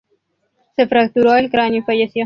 Se fracturó el cráneo y falleció.